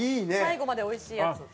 最後までおいしいやつ。